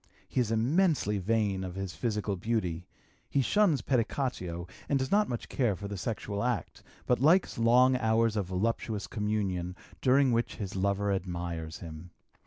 He is immensely vain of his physical beauty; he shuns pedicatio and does not much care for the sexual act, but likes long hours of voluptuous communion during which his lover admires him.